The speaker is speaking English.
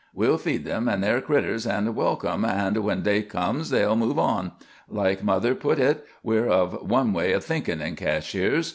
We'll feed them an' their critters, an' welcome, an' when day comes they'll move on. Like mother put hit, we're of one way of thinkin' in Cashiers.